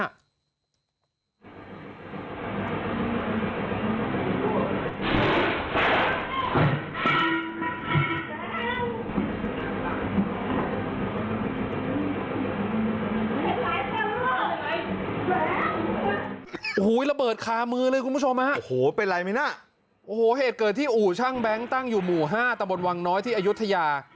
โอ้โหระเบิดคามือเลยคุณผู้ชมฮะโอ้โหเป็นไรไหมน่ะโอ้โหเหตุเกิดที่อู่ช่างแบงค์ตั้งอยู่หมู่๕ตะบนวังน้อยที่อายุทยา